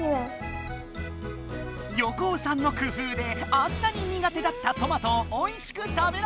横尾さんの工夫であんなに苦手だったトマトをおいしく食べられました！